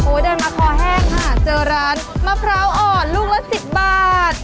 เดินมาคอแห้งค่ะเจอร้านมะพร้าวอ่อนลูกละสิบบาท